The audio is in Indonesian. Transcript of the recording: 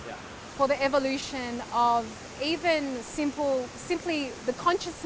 untuk pengembangan bahkan hanya